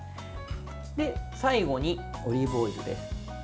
最後にオリーブオイルです。